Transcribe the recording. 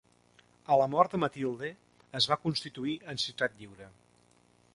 A la mort de Matilde es va constituir en ciutat lliure.